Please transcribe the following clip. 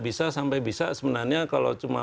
bisa sampai bisa sebenarnya kalau cuma